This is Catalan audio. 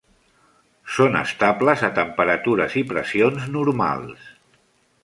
Són estables a temperatures i pressions normals.